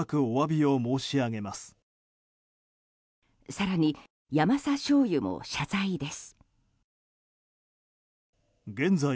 更に、ヤマサ醤油も謝罪です。